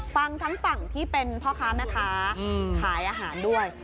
ฟังทั้งฝั่งที่เป็นพ่อค้าแม่ค้าขายอาหารด้วย